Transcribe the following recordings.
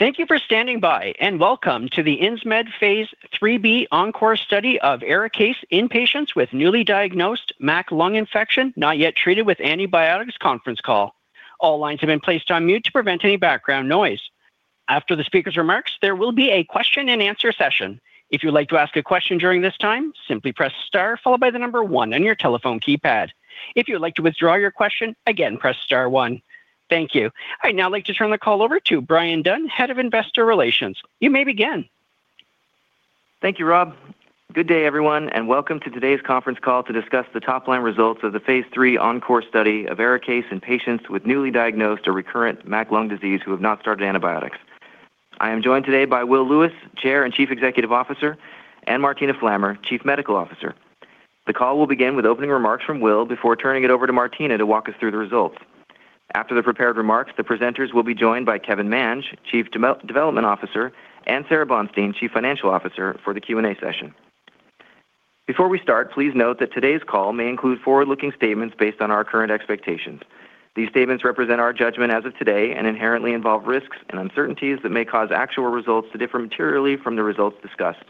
Thank you for standing by, and welcome to the Insmed phase III-B ENCORE study of ARIKAYCE in patients with newly diagnosed MAC lung infection not yet treated with antibiotics conference call. All lines have been placed on mute to prevent any background noise. After the speaker's remarks, there will be a question-and-answer session. If you would like to ask a question during this time, simply press star followed by the number one on your telephone keypad. If you would like to withdraw your question, again, press star one. Thank you. I'd now like to turn the call over to Bryan Dunn, Head of Investor Relations. You may begin. Thank you, Rob. Good day, everyone, and welcome to today's conference call to discuss the top-line results of the phase III ENCORE study of ARIKAYCE in patients with newly diagnosed or recurrent MAC lung disease who have not started antibiotics. I am joined today by Will Lewis, Chair and Chief Executive Officer, and Martina Flammer, Chief Medical Officer. The call will begin with opening remarks from Will before turning it over to Martina to walk us through the results. After the prepared remarks, the presenters will be joined by Kevin Mange, Chief Development Officer, and Sara Bonstein, Chief Financial Officer, for the Q&A session. Before we start, please note that today's call may include forward-looking statements based on our current expectations. These statements represent our judgment as of today and inherently involve risks and uncertainties that may cause actual results to differ materially from the results discussed.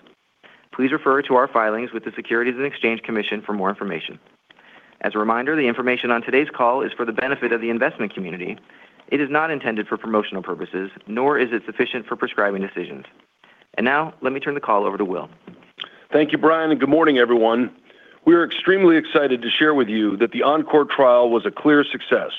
Please refer to our filings with the Securities and Exchange Commission for more information. As a reminder, the information on today's call is for the benefit of the investment community. It is not intended for promotional purposes, nor is it sufficient for prescribing decisions. Now, let me turn the call over to Will. Thank you, Bryan, and good morning, everyone. We are extremely excited to share with you that the ENCORE trial was a clear success.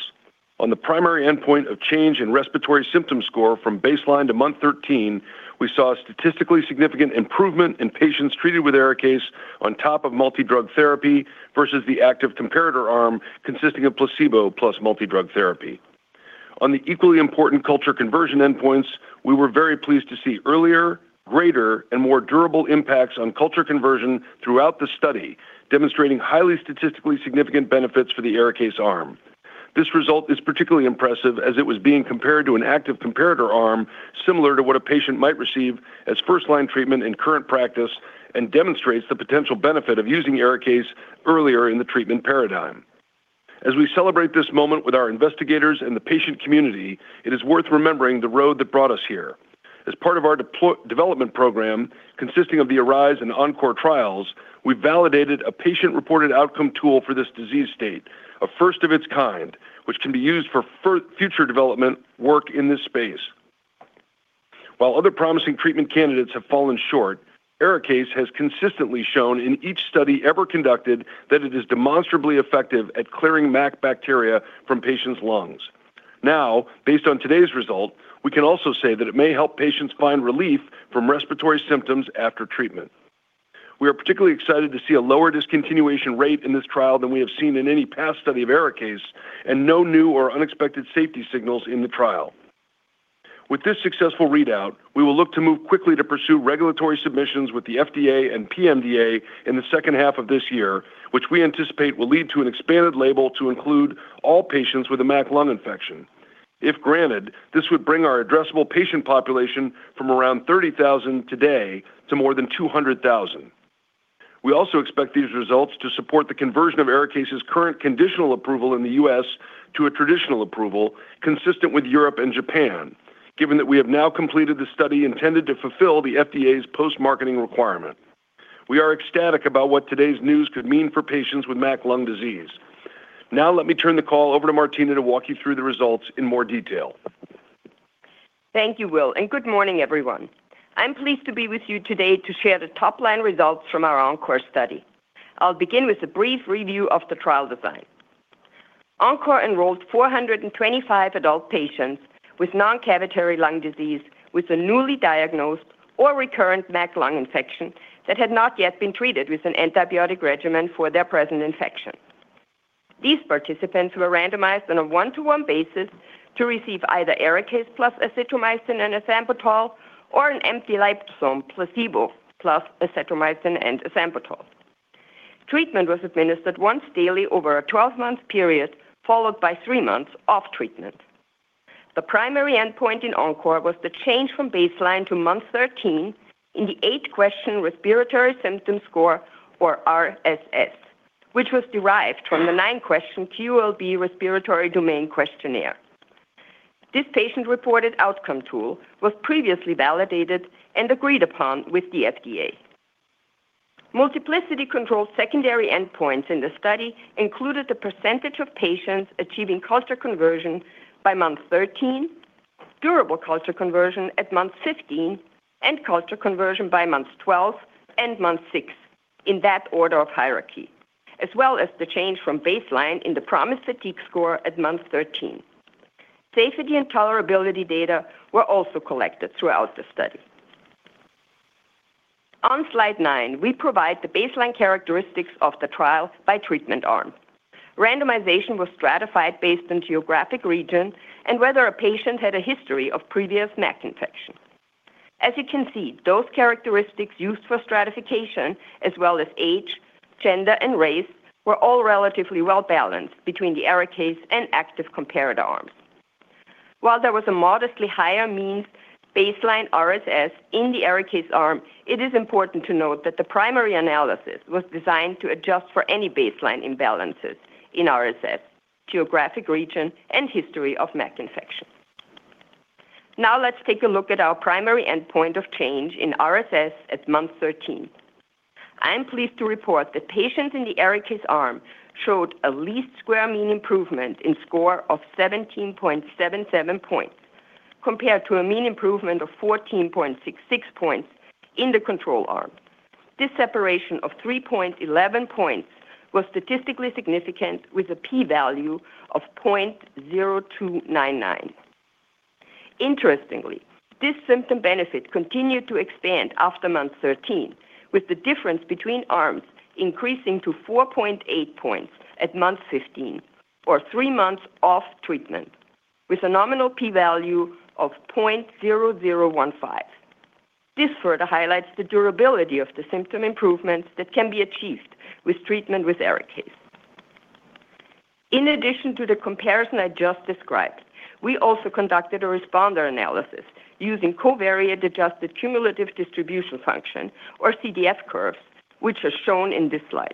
On the primary endpoint of change in respiratory symptom score from baseline to month 13, we saw a statistically significant improvement in patients treated with ARIKAYCE on top of multidrug therapy versus the active comparator arm consisting of placebo plus multidrug therapy. On the equally important culture conversion endpoints, we were very pleased to see earlier, greater, and more durable impacts on culture conversion throughout the study, demonstrating highly statistically significant benefits for the ARIKAYCE arm. This result is particularly impressive as it was being compared to an active comparator arm similar to what a patient might receive as first-line treatment in current practice and demonstrates the potential benefit of using ARIKAYCE earlier in the treatment paradigm. As we celebrate this moment with our investigators and the patient community, it is worth remembering the road that brought us here. As part of our development program consisting of the ARISE and ENCORE trials, we validated a patient-reported outcome tool for this disease state, a first of its kind, which can be used for future development work in this space. While other promising treatment candidates have fallen short, ARIKAYCE has consistently shown in each study ever conducted that it is demonstrably effective at clearing MAC bacteria from patients' lungs. Now, based on today's result, we can also say that it may help patients find relief from respiratory symptoms after treatment. We are particularly excited to see a lower discontinuation rate in this trial than we have seen in any past study of ARIKAYCE and no new or unexpected safety signals in the trial. With this successful readout, we will look to move quickly to pursue regulatory submissions with the FDA and PMDA in the second half of this year, which we anticipate will lead to an expanded label to include all patients with a MAC lung infection. If granted, this would bring our addressable patient population from around 30,000 today to more than 200,000. We also expect these results to support the conversion of ARIKAYCE's current conditional approval in the U.S. to a traditional approval consistent with Europe and Japan, given that we have now completed the study intended to fulfill the FDA's post-marketing requirement. We are ecstatic about what today's news could mean for patients with MAC lung disease. Now let me turn the call over to Martina to walk you through the results in more detail. Thank you, Will, and good morning, everyone. I'm pleased to be with you today to share the top-line results from our ENCORE study. I'll begin with a brief review of the trial design. ENCORE enrolled 425 adult patients with non-cavitary lung disease with a newly diagnosed or recurrent MAC lung infection that had not yet been treated with an antibiotic regimen for their present infection. These participants were randomized on a 1:1 basis to receive either ARIKAYCE plus azithromycin and ethambutol or an empty liposome placebo plus azithromycin and ethambutol. Treatment was administered once daily over a 12-month period, followed by three months off treatment. The primary endpoint in ENCORE was the change from baseline to month 13 in the eight-question respiratory symptom score, or RSS, which was derived from the nine-question QOL-B respiratory domain questionnaire. This patient-reported outcome tool was previously validated and agreed upon with the FDA. Multiplicity-controlled secondary endpoints in the study included the percentage of patients achieving culture conversion by month 13, durable culture conversion at month 15, and culture conversion by month 12 and month six, in that order of hierarchy, as well as the change from baseline in the PROMIS Fatigue score at month 13. Safety and tolerability data were also collected throughout the study. On slide nine, we provide the baseline characteristics of the trial by treatment arm. Randomization was stratified based on geographic region and whether a patient had a history of previous MAC infection. As you can see, those characteristics used for stratification, as well as age, gender, and race, were all relatively well-balanced between the ARIKAYCE and active comparator arms. While there was a modestly higher mean baseline RSS in the ARIKAYCE arm, it is important to note that the primary analysis was designed to adjust for any baseline imbalances in RSS, geographic region, and history of MAC infection. Now let's take a look at our primary endpoint of change in RSS at month 13. I am pleased to report that patients in the ARIKAYCE arm showed a least squares mean improvement in score of 17.77 points compared to a mean improvement of 14.66 points in the control arm. This separation of 3.11 points was statistically significant with a p-value of 0.0299. Interestingly, this symptom benefit continued to expand after month 13, with the difference between arms increasing to 4.8 points at month 15 or three months off treatment with a nominal p-value of 0.0015. This further highlights the durability of the symptom improvements that can be achieved with treatment with ARIKAYCE. In addition to the comparison I just described, we also conducted a responder analysis using covariate-adjusted cumulative distribution function or CDF curves, which are shown in this slide.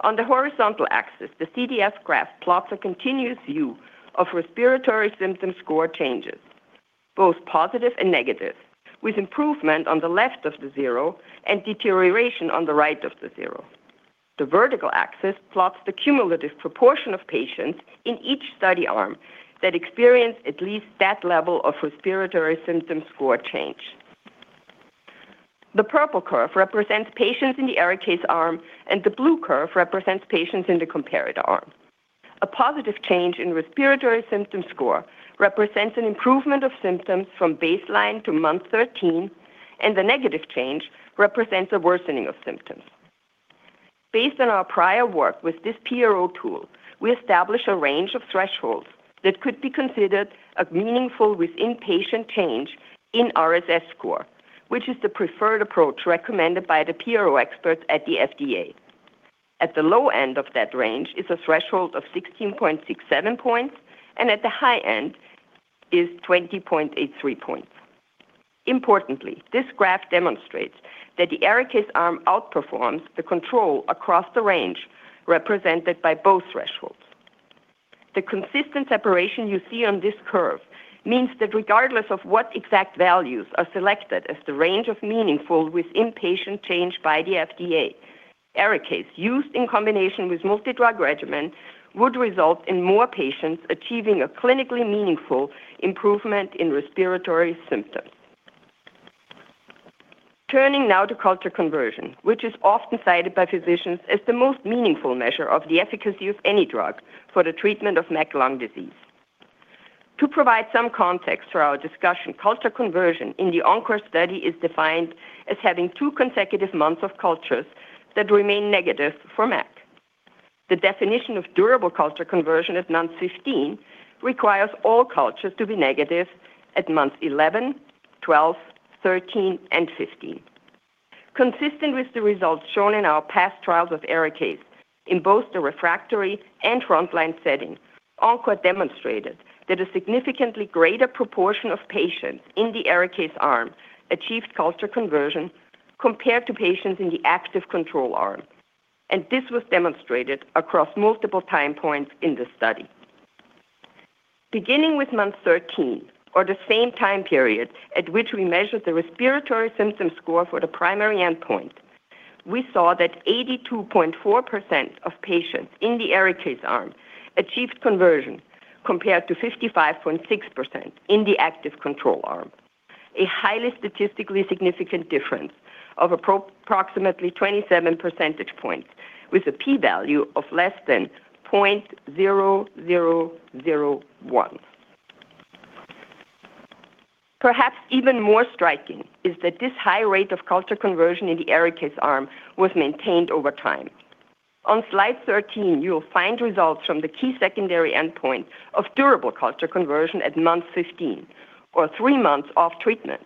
On the horizontal axis, the CDF graph plots a continuous view of respiratory symptom score changes, both positive and negative, with improvement on the left of the zero and deterioration on the right of the zero. The vertical axis plots the cumulative proportion of patients in each study arm that experience at least that level of respiratory symptom score change. The purple curve represents patients in the ARIKAYCE arm, and the blue curve represents patients in the comparator arm. A positive change in respiratory symptom score represents an improvement of symptoms from baseline to month 13, and the negative change represents a worsening of symptoms. Based on our prior work with this PRO tool, we establish a range of thresholds that could be considered a meaningful within-patient change in RSS score, which is the preferred approach recommended by the PRO experts at the FDA. At the low end of that range is a threshold of 16.67 points, and at the high end is 20.83 points. Importantly, this graph demonstrates that the ARIKAYCE arm outperforms the control across the range represented by both thresholds. The consistent separation you see on this curve means that regardless of what exact values are selected as the range of meaningful within-patient change by the FDA, ARIKAYCE used in combination with multi-drug regimen would result in more patients achieving a clinically meaningful improvement in respiratory symptoms. Turning now to culture conversion, which is often cited by physicians as the most meaningful measure of the efficacy of any drug for the treatment of MAC lung disease. To provide some context for our discussion, culture conversion in the ENCORE study is defined as having two consecutive months of cultures that remain negative for MAC. The definition of durable culture conversion at month 15 requires all cultures to be negative at month 11, 12, 13, and 15. Consistent with the results shown in our past trials with ARIKAYCE, in both the refractory and frontline settings, ENCORE demonstrated that a significantly greater proportion of patients in the ARIKAYCE arm achieved culture conversion compared to patients in the active control arm, and this was demonstrated across multiple time points in the study. Beginning with month 13, or the same time period at which we measured the respiratory symptom score for the primary endpoint, we saw that 82.4% of patients in the ARIKAYCE arm achieved conversion, compared to 55.6% in the active control arm, a highly statistically significant difference of approximately 27 percentage points with a p-value of less than 0.0001. Perhaps even more striking is that this high rate of culture conversion in the ARIKAYCE arm was maintained over time. On slide 13, you will find results from the key secondary endpoint of durable culture conversion at month 15 or 3 months off treatment.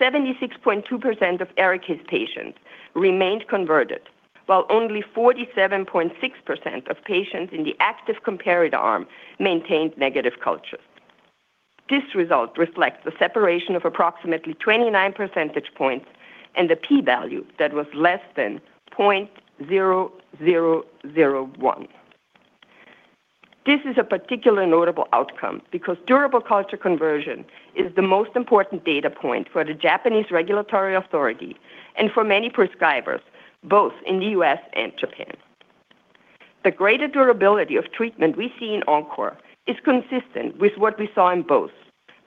76.2% of ARIKAYCE patients remained converted, while only 47.6% of patients in the active comparator arm maintained negative cultures. This result reflects the separation of approximately 29 percentage points and the p-value that was less than 0.0001. This is a particularly notable outcome because durable culture conversion is the most important data point for the Japanese Regulatory Authority and for many prescribers, both in the U.S. and Japan. The greater durability of treatment we see in ENCORE is consistent with what we saw in both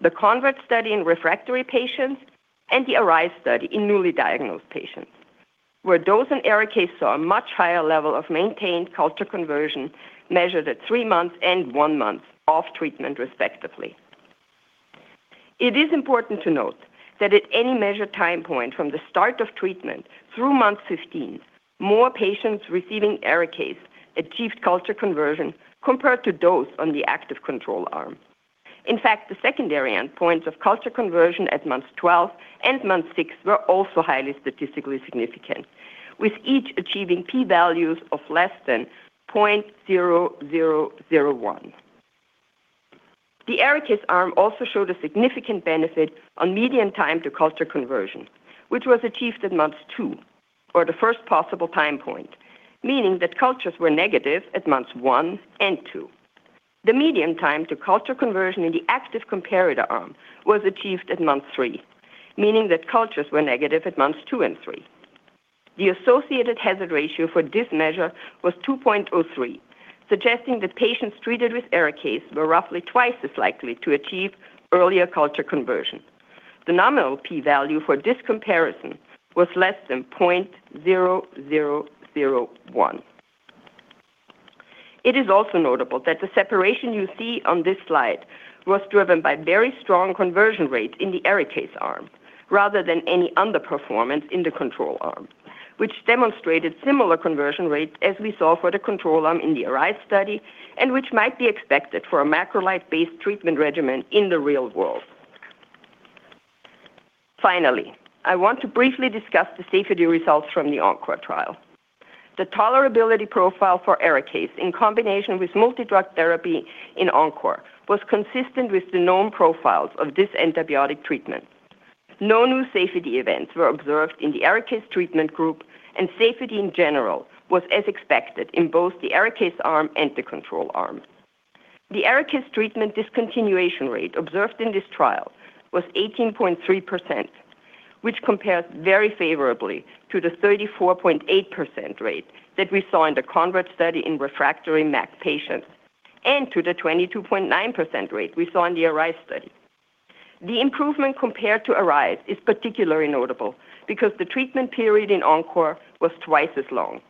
the CONVERT study in refractory patients and the ARISE study in newly diagnosed patients, where those in ARIKAYCE saw a much higher level of maintained culture conversion measured at three months and one month off treatment, respectively. It is important to note that at any measured time point from the start of treatment through month 15, more patients receiving ARIKAYCE achieved culture conversion compared to those on the active control arm. In fact, the secondary endpoint of culture conversion at month 12 and month six were also highly statistically significant, with each achieving p-values of less than 0.0001. The ARIKAYCE arm also showed a significant benefit on median time to culture conversion, which was achieved at month two or the first possible time point meaning that cultures were negative at months one and two. The median time to culture conversion in the active comparator arm was achieved at month three meaning that cultures were negative at months two and three. The associated hazard ratio for this measure was 2.03 suggesting that patients treated with ARIKAYCE were roughly twice as likely to achieve earlier culture conversion. The nominal P value for this comparison was less than 0.0001. It is also notable that the separation you see on this slide was driven by very strong conversion rates in the ARIKAYCE arm rather than any underperformance in the control arm, which demonstrated similar conversion rates as we saw for the control arm in the ARISE study and which might be expected for a macrolide-based treatment regimen in the real world. Finally, I want to briefly discuss the safety results from the ENCORE trial. The tolerability profile for ARIKAYCE in combination with multi-drug therapy in ENCORE was consistent with the known profiles of this antibiotic treatment. No new safety events were observed in the ARIKAYCE treatment group, and safety in general was as expected in both the ARIKAYCE arm and the control arm. The ARIKAYCE treatment discontinuation rate observed in this trial was 18.3%, which compares very favorably to the 34.8% rate that we saw in the CONVERT study in refractory MAC patients and to the 22.9% rate we saw in the ARISE study. The improvement compared to ARISE is particularly notable because the treatment period in ENCORE was twice as long.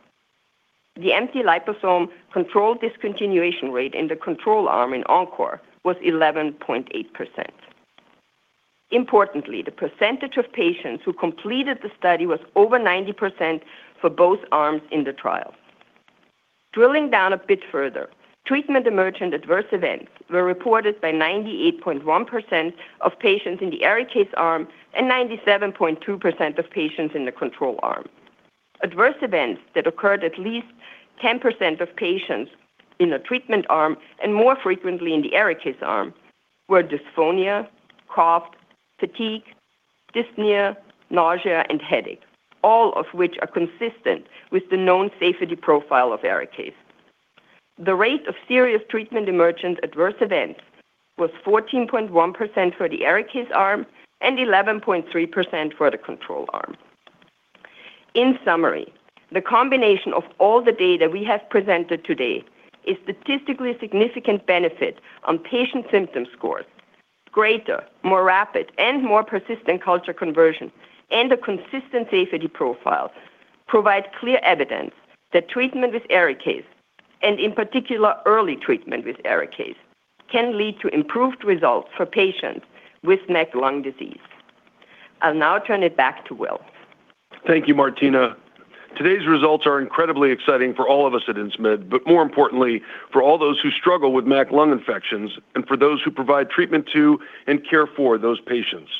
The empty liposome control discontinuation rate in the control arm in ENCORE was 11.8%. Importantly, the percentage of patients who completed the study was over 90% for both arms in the trial. Drilling down a bit further, treatment emergent adverse events were reported by 98.1% of patients in the ARIKAYCE arm and 97.2% of patients in the control arm. Adverse events that occurred in at least 10% of patients in the treatment arm and more frequently in the ARIKAYCE arm were dysphonia, cough, fatigue, dyspnea, nausea, and headache, all of which are consistent with the known safety profile of ARIKAYCE. The rate of serious treatment emergent adverse events was 14.1% for the ARIKAYCE arm and 11.3% for the control arm. In summary, the combination of all the data we have presented today shows a statistically significant benefit in patient symptom scores. Greater, more rapid, and more persistent culture conversion and a consistent safety profile provide clear evidence that treatment with ARIKAYCE, and in particular, early treatment with ARIKAYCE, can lead to improved results for patients with MAC lung disease. I'll now turn it back to Will. Thank you, Martina. Today's results are incredibly exciting for all of us at Insmed, but more importantly, for all those who struggle with MAC lung infections and for those who provide treatment to and care for those patients.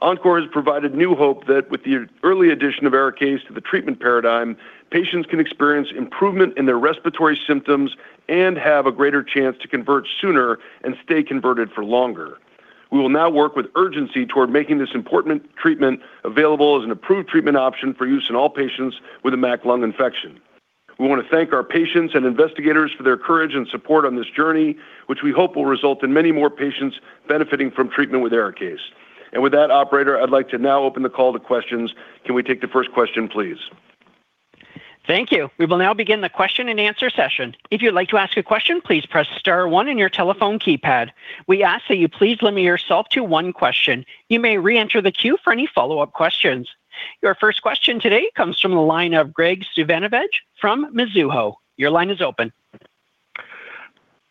ENCORE has provided new hope that with the early addition of ARIKAYCE to the treatment paradigm, patients can experience improvement in their respiratory symptoms and have a greater chance to convert sooner and stay converted for longer. We will now work with urgency toward making this important treatment available as an approved treatment option for use in all patients with a MAC lung infection. We want to thank our patients and investigators for their courage and support on this journey, which we hope will result in many more patients benefiting from treatment with ARIKAYCE. With that, operator, I'd like to now open the call to questions. Can we take the first question, please? Thank you. We will now begin the question and answer session. If you'd like to ask a question, please press star one on your telephone keypad. We ask that you please limit yourself to one question. You may re-enter the queue for any follow-up questions. Your first question today comes from the line of Greg Moskowitz from Mizuho. Your line is open.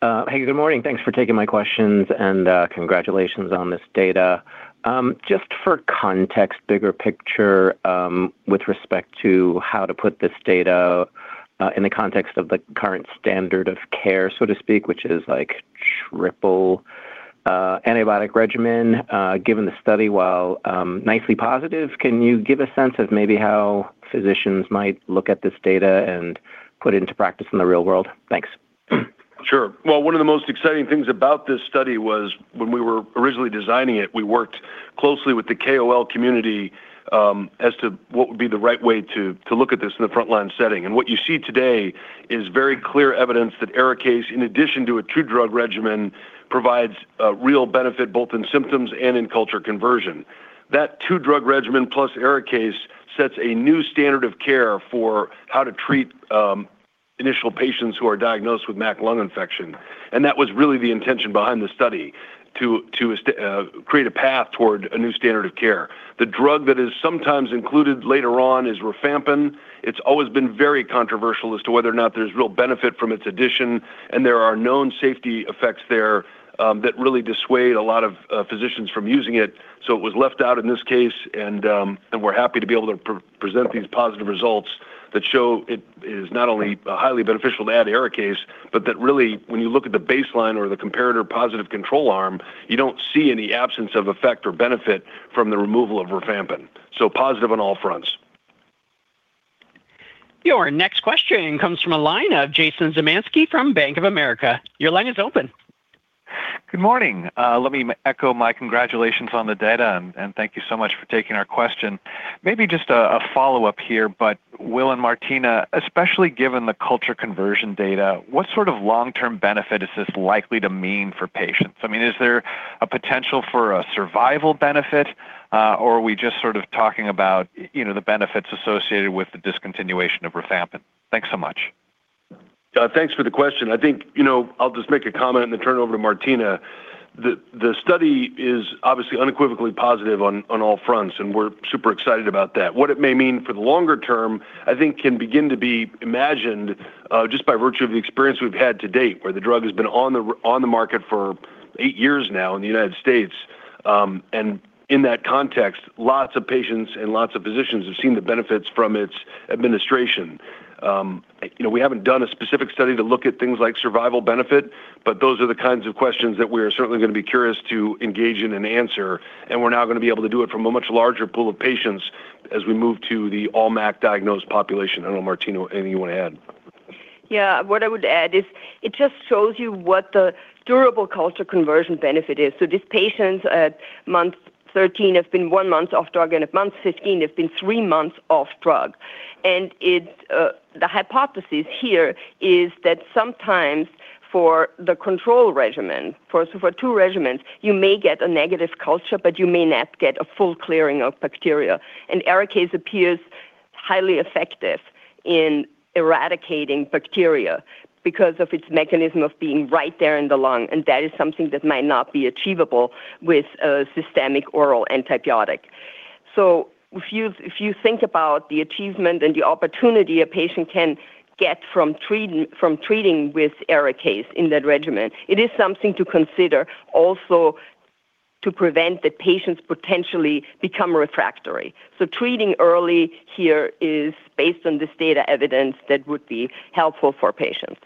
Hey, good morning. Thanks for taking my questions and, congratulations on this data. Just for context, bigger picture, with respect to how to put this data in the context of the current standard of care, so to speak, which is like triple antibiotic regimen, given the study while nicely positive, can you give a sense of maybe how physicians might look at this data and put it into practice in the real world? Thanks. Sure. Well, one of the most exciting things about this study was when we were originally designing it, we worked closely with the KOL community as to what would be the right way to look at this in the frontline setting. What you see today is very clear evidence that ARIKAYCE, in addition to a two-drug regimen, provides real benefit both in symptoms and in culture conversion. That two-drug regimen plus ARIKAYCE sets a new standard of care for how to treat initial patients who are diagnosed with MAC lung infection. That was really the intention behind the study to create a path toward a new standard of care. The drug that is sometimes included later on is rifampin. It's always been very controversial as to whether or not there's real benefit from its addition, and there are known safety effects there that really dissuade a lot of physicians from using it. It was left out in this case, and we're happy to be able to present these positive results that show it is not only highly beneficial to add ARIKAYCE, but that really when you look at the baseline or the comparator positive control arm, you don't see any absence of effect or benefit from the removal of rifampin. Positive on all fronts. Your next question comes from a line of Jason Zemansky from Bank of America. Your line is open. Good morning. Let me echo my congratulations on the data, and thank you so much for taking our question. Maybe just a follow-up here, but Will and Martina, especially given the culture conversion data, what sort of long-term benefit is this likely to mean for patients? I mean, is there a potential for a survival benefit, or are we just sort of talking about, you know, the benefits associated with the discontinuation of rifampin? Thanks so much. Thanks for the question. I think, you know, I'll just make a comment and then turn it over to Martina. The study is obviously unequivocally positive on all fronts, and we're super excited about that. What it may mean for the longer term, I think can begin to be imagined, just by virtue of the experience we've had to date, where the drug has been on the market for eight years now in the United States. In that context, lots of patients and lots of physicians have seen the benefits from its administration. You know, we haven't done a specific study to look at things like survival benefit, but those are the kinds of questions that we're certainly gonna be curious to engage in and answer, and we're now gonna be able to do it from a much larger pool of patients as we move to the all MAC-diagnosed population. I don't know, Martina, anything you wanna add? Yeah. What I would add is it just shows you what the durable culture conversion benefit is. These patients at month 13 have been one month off drug, and at month 15 have been three months off drug. It's the hypothesis here is that sometimes for the control regimen, so for two regimens, you may get a negative culture, but you may not get a full clearing of bacteria. ARIKAYCE appears highly effective in eradicating bacteria because of its mechanism of being right there in the lung, and that is something that might not be achievable with a systemic oral antibiotic. If you think about the achievement and the opportunity a patient can get from treating with ARIKAYCE in that regimen, it is something to consider also to prevent the patients potentially become refractory. Treating early here is based on this data evidence that would be helpful for patients.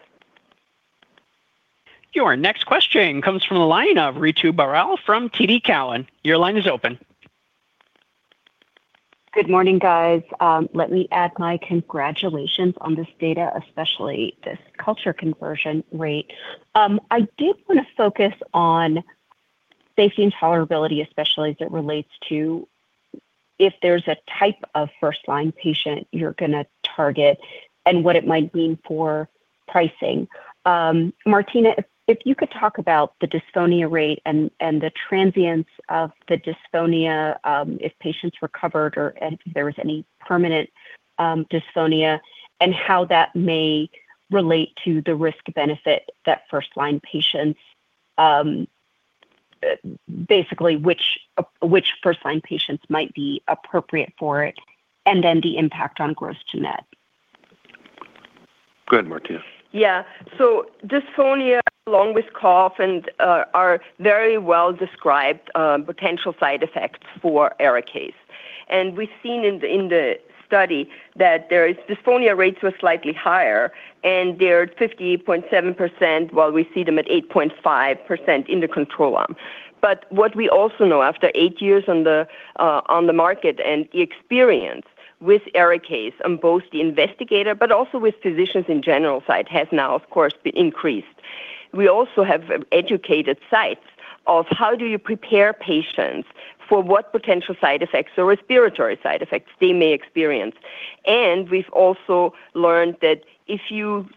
Your next question comes from the line of Ritu Baral from TD Cowen. Your line is open. Good morning, guys. Let me add my congratulations on this data, especially this culture conversion rate. I did wanna focus on safety and tolerability, especially as it relates to if there's a type of first-line patient you're gonna target and what it might mean for pricing. Martina, if you could talk about the dysphonia rate and the transience of the dysphonia, if patients recovered or if there was any permanent dysphonia and how that may relate to the risk-benefit that first-line patients, basically which first-line patients might be appropriate for it and then the impact on gross-to-net. Go ahead, Martina. Yeah. Dysphonia along with cough and are very well described potential side effects for ARIKAYCE. We've seen in the study that dysphonia rates were slightly higher, and they're at 50.7%, while we see them at 8.5% in the control arm. What we also know after eight years on the market and the experience with ARIKAYCE on both the investigator but also with physicians in general. Site has now of course increased. We also have educated sites on how to prepare patients for what potential side effects or respiratory side effects they may experience. We've also learned that if you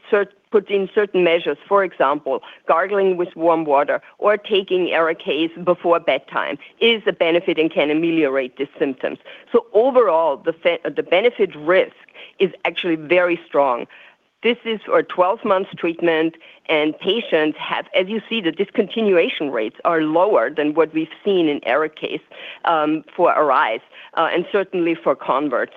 put in certain measures, for example, gargling with warm water or taking ARIKAYCE before bedtime is a benefit and can ameliorate these symptoms. Overall, the benefit risk is actually very strong. This is a 12-month treatment, and patients have. As you see, the discontinuation rates are lower than what we've seen in ARIKAYCE for ARISE and certainly for CONVERT.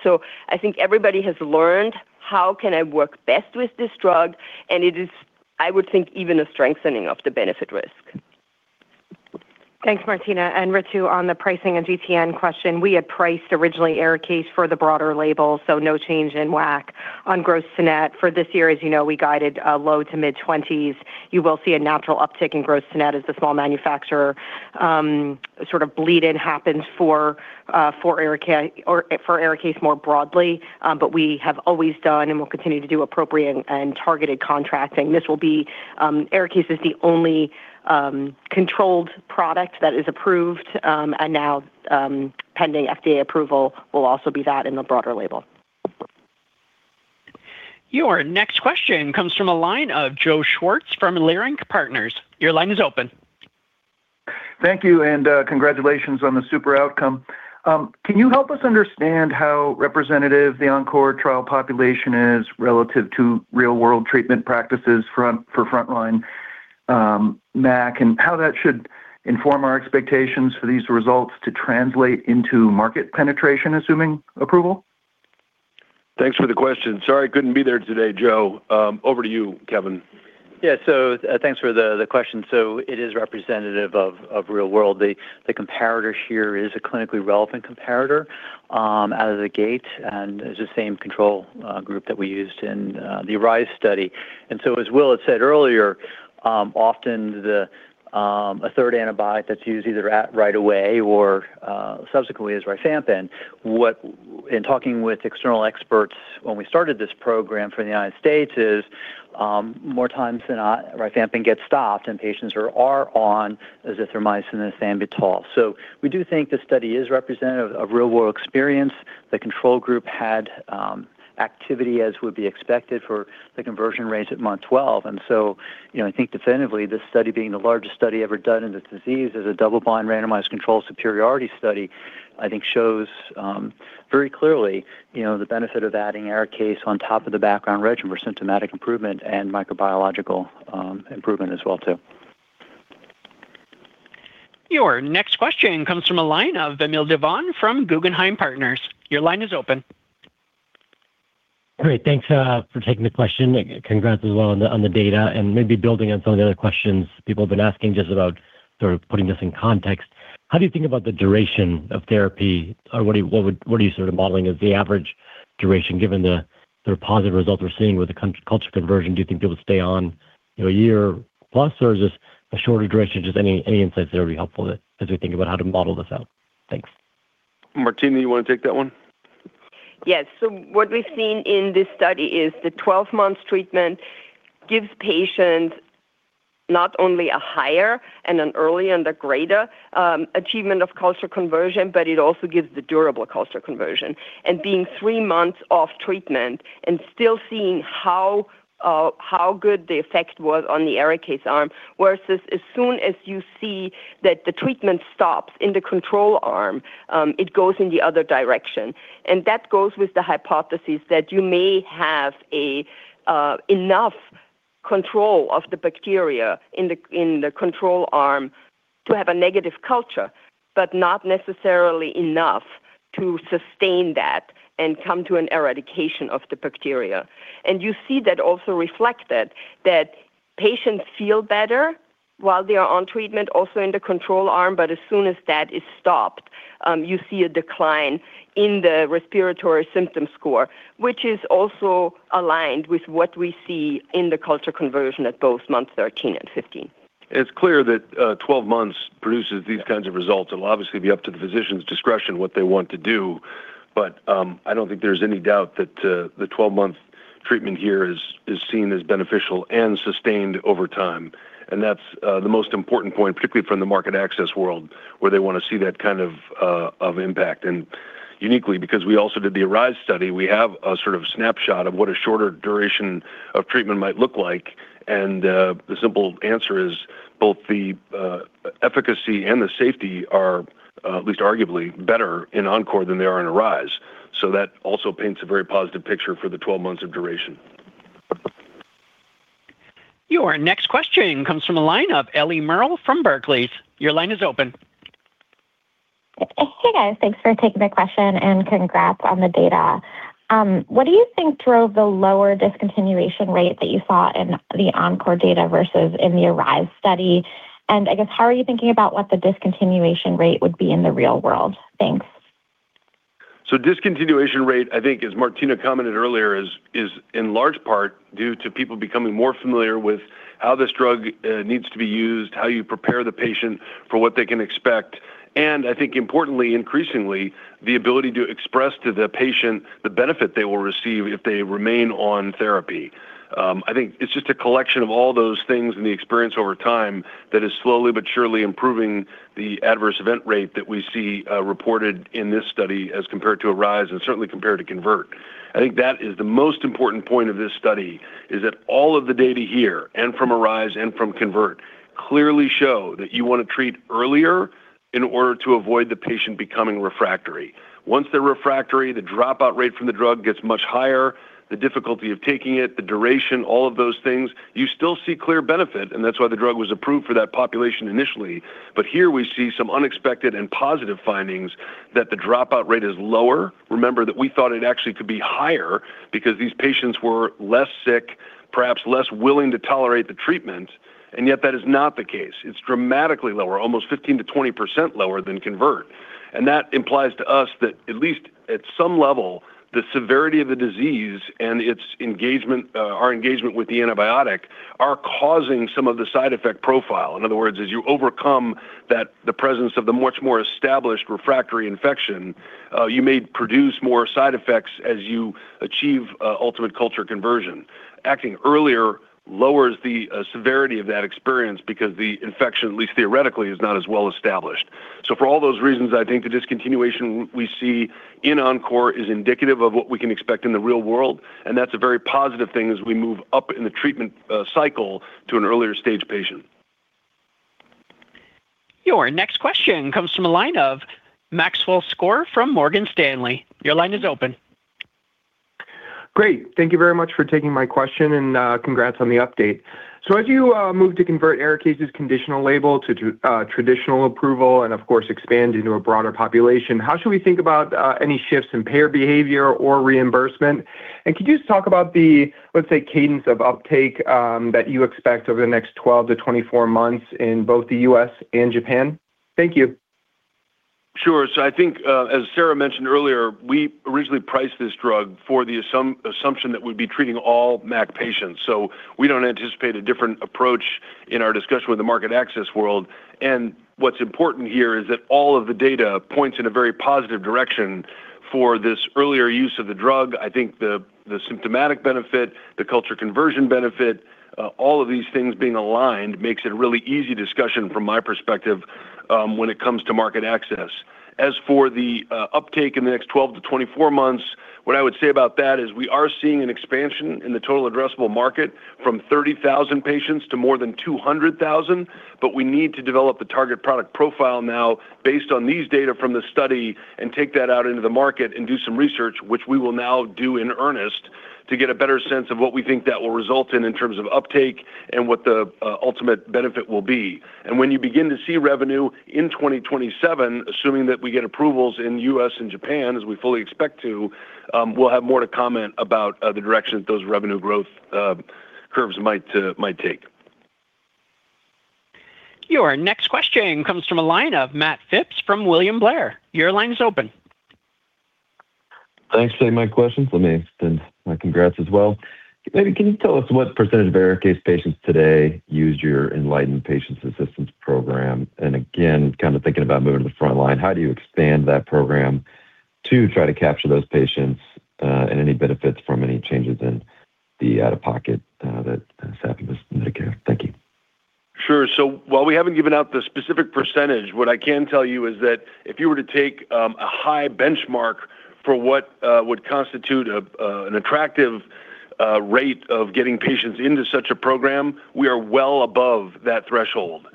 I think everybody has learned how can I work best with this drug, and it is, I would think, even a strengthening of the benefit risk. Thanks, Martina. Ritu, on the pricing and GTN question, we had priced originally ARIKAYCE for the broader label, so no change in WAC on gross to net. For this year, as you know, we guided low to mid-20s. You will see a natural uptick in gross to net as the small manufacturer sort of bleed-in happens for ARIKAYCE more broadly. But we have always done and will continue to do appropriate and targeted contracting. This will be, ARIKAYCE is the only controlled product that is approved, and now, pending FDA approval will also be that in the broader label. Your next question comes from a line of Joe Schwartz from Leerink Partners. Your line is open. Thank you, and, congratulations on the superior outcome. Can you help us understand how representative the ENCORE trial population is relative to real-world treatment practices for frontline MAC, and how that should inform our expectations for these results to translate into market penetration, assuming approval? Thanks for the question. Sorry I couldn't be there today, Joe. Over to you, Kevin. Yeah. Thanks for the question. It is representative of real world. The comparator here is a clinically relevant comparator out of the gate, and is the same control group that we used in the ARISE study. As Will had said earlier, often a third antibiotic that's used either at right away or subsequently is rifampin. In talking with external experts when we started this program for the United States, more times than not, rifampin gets stopped and patients are on azithromycin as standard of care. We do think this study is representative of real-world experience. The control group had activity as would be expected for the conversion rates at month 12. You know, I think definitively this study being the largest study ever done in this disease as a double-blind randomized controlled superiority study, I think shows very clearly, you know, the benefit of adding ARIKAYCE on top of the background regimen for symptomatic improvement and microbiological improvement as well too. Your next question comes from a line of Vamil Divan from Guggenheim Partners. Your line is open. Great. Thanks for taking the question. Congrats as well on the data and maybe building on some of the other questions people have been asking just about sort of putting this in context. How do you think about the duration of therapy or what are you sort of modeling as the average duration given the positive results we're seeing with the culture conversion? Do you think people stay on, you know, a year plus, or is this a shorter duration? Just any insights that would be helpful as we think about how to model this out. Thanks. Martina, you wanna take that one? Yes. What we've seen in this study is the 12 months treatment gives patients not only a higher and an early and a greater achievement of culture conversion, but it also gives the durable culture conversion. Being three months off treatment and still seeing how good the effect was on the ARIKAYCE arm versus as soon as you see that the treatment stops in the control arm, it goes in the other direction. That goes with the hypothesis that you may have enough control of the bacteria in the control arm to have a negative culture, but not necessarily enough to sustain that and come to an eradication of the bacteria. You see that also reflected that patients feel better while they are on treatment, also in the control arm, but as soon as that is stopped, you see a decline in the respiratory symptom score, which is also aligned with what we see in the culture conversion at both months 13 and 15. It's clear that 12 months produces these kinds of results. It'll obviously be up to the physician's discretion what they want to do, but I don't think there's any doubt that the 12-month treatment here is seen as beneficial and sustained over time. That's the most important point, particularly from the market access world, where they wanna see that kind of impact. Uniquely, because we also did the ARISE study, we have a sort of snapshot of what a shorter duration of treatment might look like, and the simple answer is both the efficacy and the safety are at least arguably better in ENCORE than they are in ARISE. That also paints a very positive picture for the 12 months of duration. Your next question comes from a line of Ellie Merle from Barclays. Your line is open. Hey, guys. Thanks for taking my question, and congrats on the data. What do you think drove the lower discontinuation rate that you saw in the ENCORE data versus in the ARISE study? I guess, how are you thinking about what the discontinuation rate would be in the real world? Thanks. Discontinuation rate, I think as Martina commented earlier, is in large part due to people becoming more familiar with how this drug needs to be used, how you prepare the patient for what they can expect, and I think importantly, increasingly, the ability to express to the patient the benefit they will receive if they remain on therapy. I think it's just a collection of all those things and the experience over time that is slowly but surely improving the adverse event rate that we see reported in this study as compared to ARISE and certainly compared to CONVERT. I think that is the most important point of this study, is that all of the data here, and from ARISE and from CONVERT, clearly show that you wanna treat earlier in order to avoid the patient becoming refractory. Once they're refractory, the dropout rate from the drug gets much higher. The difficulty of taking it, the duration, all of those things, you still see clear benefit, and that's why the drug was approved for that population initially. Here we see some unexpected and positive findings that the dropout rate is lower. Remember that we thought it actually could be higher because these patients were less sick, perhaps less willing to tolerate the treatment, and yet that is not the case. It's dramatically lower, almost 15%-20% lower than CONVERT. That implies to us that at least at some level, the severity of the disease and its engagement, our engagement with the antibiotic are causing some of the side effect profile. In other words, as you overcome the presence of the much more established refractory infection, you may produce more side effects as you achieve ultimate culture conversion. Acting earlier lowers the severity of that experience because the infection, at least theoretically, is not as well established. For all those reasons, I think the discontinuation we see in ENCORE is indicative of what we can expect in the real world, and that's a very positive thing as we move up in the treatment cycle to an earlier stage patient. Your next question comes from a line of Maxwell Skor from Morgan Stanley. Your line is open. Great. Thank you very much for taking my question, and, congrats on the update. As you move to convert ARIKAYCE's conditional label to traditional approval and of course expand into a broader population, how should we think about any shifts in payer behavior or reimbursement? Could you just talk about the, let's say, cadence of uptake that you expect over the next 12-24 months in both the U.S. and Japan? Thank you. Sure. I think, as Sara mentioned earlier, we originally priced this drug for the assumption that we'd be treating all MAC patients. We don't anticipate a different approach in our discussion with the market access world. What's important here is that all of the data points in a very positive direction for this earlier use of the drug. I think the symptomatic benefit, the culture conversion benefit, all of these things being aligned makes it a really easy discussion from my perspective, when it comes to market access. As for the uptake in the next 12-24 months, what I would say about that is we are seeing an expansion in the total addressable market from 30,000 patients to more than 200,000, but we need to develop the target product profile now based on these data from the study and take that out into the market and do some research, which we will now do in earnest to get a better sense of what we think that will result in terms of uptake and what the ultimate benefit will be. When you begin to see revenue in 2027, assuming that we get approvals in U.S. and Japan, as we fully expect to, we'll have more to comment about the direction that those revenue growth curves might take. Your next question comes from a line of Matt Phipps from William Blair. Your line is open. Thanks for taking my questions. Let me extend my congrats as well. Maybe can you tell us what percentage of ARIKAYCE patients today use your inLighten Patient assistance program? Again, kind of thinking about moving to the front line, how do you expand that program to try to capture those patients, and any benefits from any changes in the out-of-pocket that cap in Medicare? Thank you. Sure. While we haven't given out the specific percentage, what I can tell you is that if you were to take a high benchmark for what would constitute an attractive rate of getting patients into such a program, we are well above that threshold.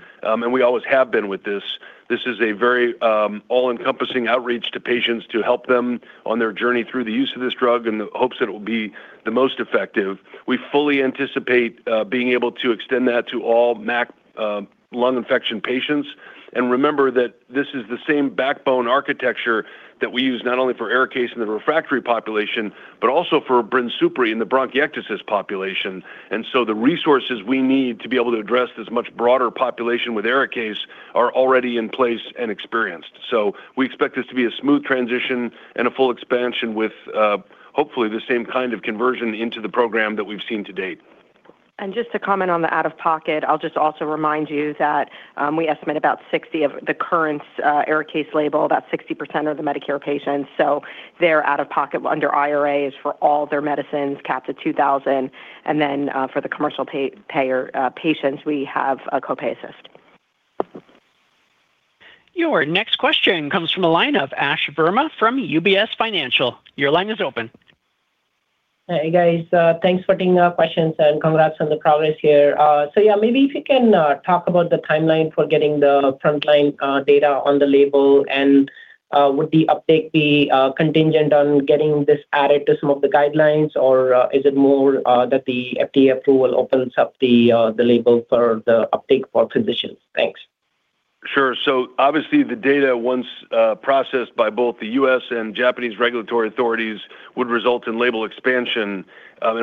We always have been with this. This is a very all-encompassing outreach to patients to help them on their journey through the use of this drug in the hopes that it will be the most effective. We fully anticipate being able to extend that to all MAC lung infection patients. Remember that this is the same backbone architecture that we use not only for ARIKAYCE in the refractory population, but also for Brinsupri in the bronchiectasis population. The resources we need to be able to address this much broader population with ARIKAYCE are already in place and experienced. We expect this to be a smooth transition and a full expansion with, hopefully the same kind of conversion into the program that we've seen to date. Just to comment on the out-of-pocket, I'll just also remind you that we estimate about 60% of the current ARIKAYCE label, about 60% are the Medicare patients. Their out-of-pocket under IRA is for all their medicines, capped at $2,000. For the commercial payer patients, we have a copay assist. Your next question comes from a line of Ash Verma from UBS Financial. Your line is open. Hey, guys. Thanks for taking our questions, and congrats on the progress here. Yeah, maybe if you can talk about the timeline for getting the frontline data on the label, and would the uptake be contingent on getting this added to some of the guidelines, or is it more that the FDA approval opens up the label for the uptake for physicians? Thanks. Sure. Obviously, the data, once processed by both the U.S. and Japanese Regulatory Authorities, would result in label expansion.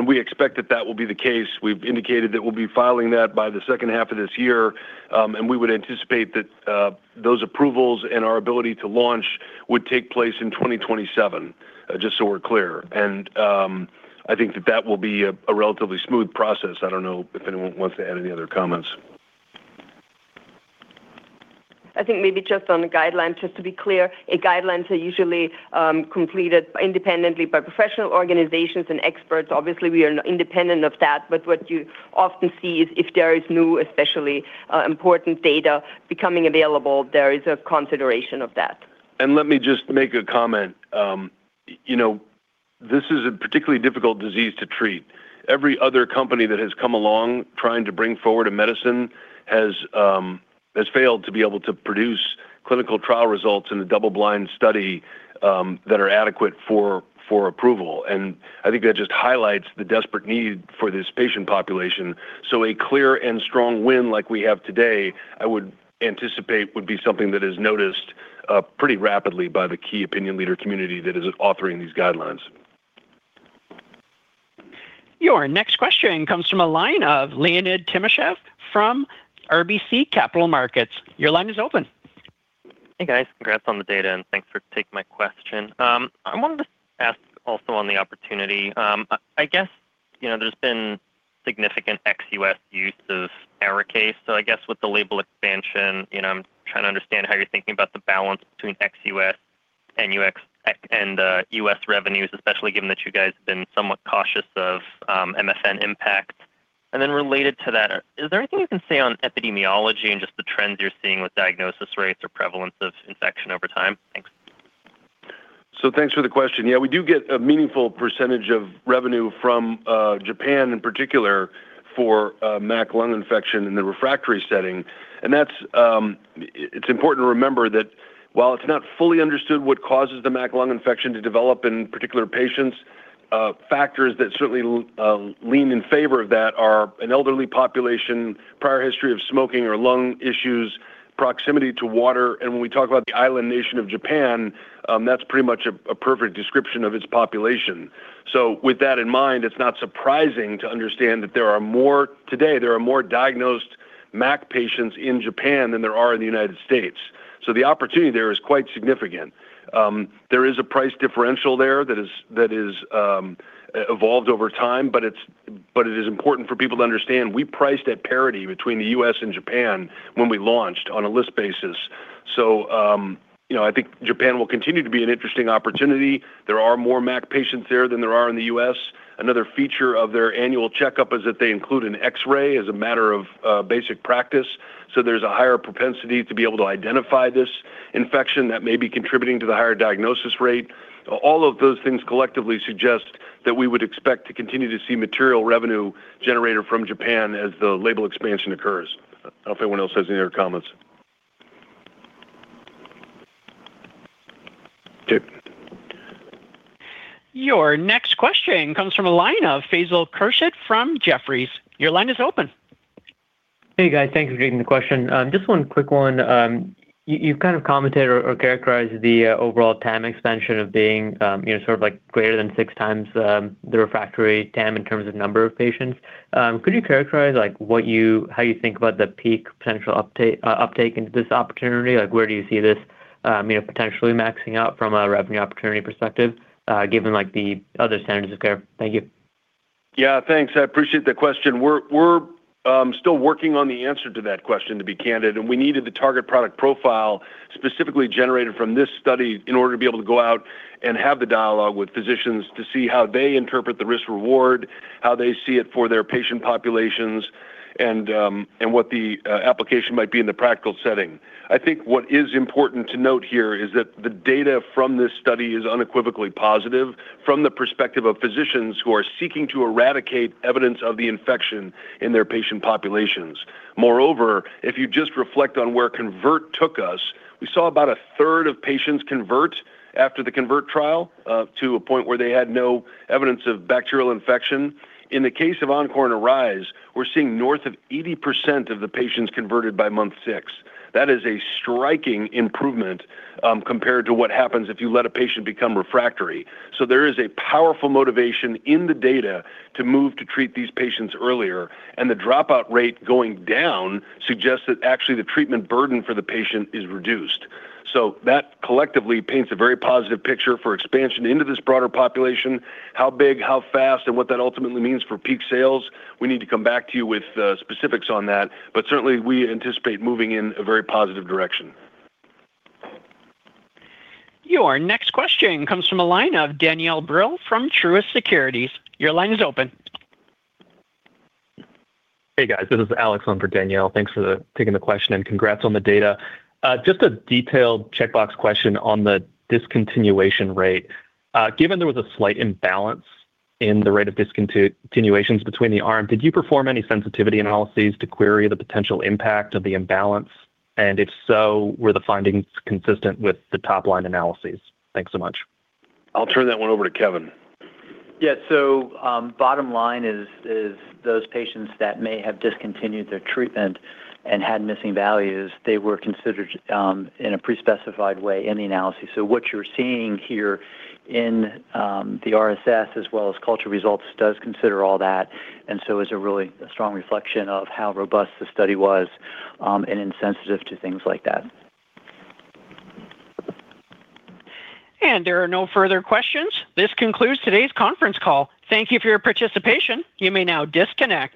We expect that that will be the case. We've indicated that we'll be filing that by the second half of this year, and we would anticipate that those approvals and our ability to launch would take place in 2027, just so we're clear. I think that that will be a relatively smooth process. I don't know if anyone wants to add any other comments. I think maybe just on the guidelines, just to be clear, guidelines are usually completed independently by professional organizations and experts. Obviously, we are independent of that, but what you often see is if there is new, especially, important data becoming available, there is a consideration of that. Let me just make a comment. You know, this is a particularly difficult disease to treat. Every other company that has come along trying to bring forward a medicine has failed to be able to produce clinical trial results in a double-blind study that are adequate for approval. I think that just highlights the desperate need for this patient population. A clear and strong win like we have today, I would anticipate would be something that is noticed pretty rapidly by the key opinion leader community that is authoring these guidelines. Your next question comes from a line of Leonid Timashev from RBC Capital Markets. Your line is open. Hey, guys. Congrats on the data, and thanks for taking my question. I wanted to ask also on the opportunity. I guess, you know, there's been significant ex-U.S. use of ARIKAYCE. So I guess with the label expansion, you know, I'm trying to understand how you're thinking about the balance between ex-U.S. and U.S. revenues, especially given that you guys have been somewhat cautious of MFN impact. Related to that, is there anything you can say on epidemiology and just the trends you're seeing with diagnosis rates or prevalence of infection over time? Thanks. Thanks for the question. Yeah, we do get a meaningful percentage of revenue from Japan in particular for a MAC lung infection in the refractory setting. That's important to remember that while it's not fully understood what causes the MAC lung infection to develop in particular patients, factors that certainly lean in favor of that are an elderly population, prior history of smoking or lung issues, proximity to water. When we talk about the island nation of Japan, that's pretty much a perfect description of its population. With that in mind, it's not surprising to understand that there are more diagnosed MAC patients in Japan than there are in the United States. The opportunity there is quite significant. There is a price differential there that is evolved over time, but it is important for people to understand we priced at parity between the U.S. and Japan when we launched on a list basis. You know, I think Japan will continue to be an interesting opportunity. There are more MAC patients there than there are in the U.S. Another feature of their annual checkup is that they include an X-ray as a matter of basic practice. There's a higher propensity to be able to identify this infection that may be contributing to the higher diagnosis rate. All of those things collectively suggest that we would expect to continue to see material revenue generated from Japan as the label expansion occurs. I don't know if anyone else has any other comments. Okay. Your next question comes from a line of Faisal Khurshid from Jefferies. Your line is open. Hey, guys. Thank you for taking the question. Just one quick one. You've kind of commented or characterized the overall TAM expansion of being, you know, sort of like greater than 6x the refractory TAM in terms of number of patients. Could you characterize, like, what you how you think about the peak potential uptake into this opportunity? Like, where do you see this, you know, potentially maxing out from a revenue opportunity perspective, given, like, the other standards of care? Thank you. Yeah, thanks. I appreciate the question. We're still working on the answer to that question, to be candid, and we needed the target product profile specifically generated from this study in order to be able to go out and have the dialogue with physicians to see how they interpret the risk-reward, how they see it for their patient populations and what the application might be in the practical setting. I think what is important to note here is that the data from this study is unequivocally positive from the perspective of physicians who are seeking to eradicate evidence of the infection in their patient populations. Moreover, if you just reflect on where CONVERT took us, we saw about a third of patients convert after the CONVERT trial to a point where they had no evidence of bacterial infection. In the case of ENCORE and ARISE, we're seeing north of 80% of the patients converted by month six. That is a striking improvement compared to what happens if you let a patient become refractory. There is a powerful motivation in the data to move to treat these patients earlier, and the dropout rate going down suggests that actually the treatment burden for the patient is reduced. That collectively paints a very positive picture for expansion into this broader population, how big, how fast, and what that ultimately means for peak sales. We need to come back to you with specifics on that, but certainly we anticipate moving in a very positive direction. Your next question comes from a line of Danielle Brill from Truist Securities. Your line is open. Hey, guys. This is Alex on for Danielle. Thanks for taking the question, and congrats on the data. Just a detailed checkbox question on the discontinuation rate. Given there was a slight imbalance in the rate of discontinuations between the arm, did you perform any sensitivity analyses to query the potential impact of the imbalance? If so, were the findings consistent with the top-line analyses? Thanks so much. I'll turn that one over to Kevin. Yeah. Bottom line is those patients that may have discontinued their treatment and had missing values, they were considered in a pre-specified way in the analysis. What you're seeing here in the RSS as well as culture results does consider all that, and so is a really strong reflection of how robust the study was, and insensitive to things like that. There are no further questions. This concludes today's conference call. Thank you for your participation. You may now disconnect.